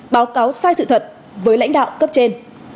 báo cáo sai sự thật với lãnh đạo cấp trên